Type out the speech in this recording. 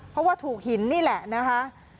เพราะว่าถูกหินนี่แหละนะคะ